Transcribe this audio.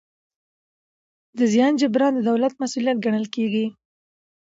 د زیان جبران د دولت مسوولیت ګڼل کېږي.